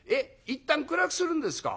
いったん暗くするんですか？